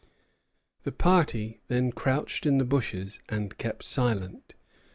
The party then crouched in the bushes, and kept silent.